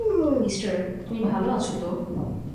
Mister, তুমি ভালো আছ তো?